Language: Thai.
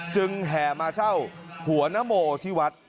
แห่มาเช่าหัวนโมที่วัด